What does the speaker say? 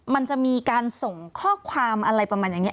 มันจะมีการส่งข้อความอะไรประมาณอย่างนี้